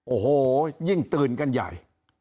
โอ้โหยิ่งตื่นกันใหญ่